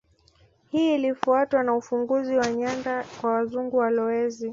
Hii ilifuatwa na ufunguzi wa nyanda kwa Wazungu walowezi